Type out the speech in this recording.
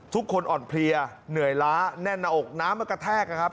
ทุกคนอ่อนเพลียเหนื่อยล้าแน่นหน้าอกน้ำมากระแทกนะครับ